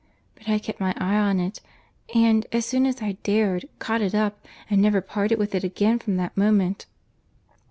But I kept my eye on it; and, as soon as I dared, caught it up, and never parted with it again from that moment."